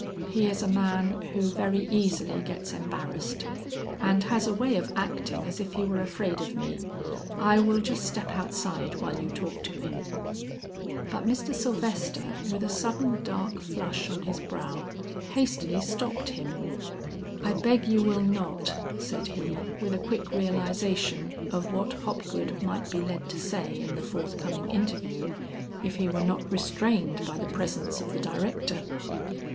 "He is a man who very easily gets embarrassed, and has a way of acting as if he were afraid of me. I will just step outside while you talk to him." But Mr. Sylvester with a sudden dark flush on his brow, hastily stopped him. "I beg you will not," said he, with a quick realization of what Hopgood might be led to say in the forthcoming interview, if he were not restrained by the presence of the director.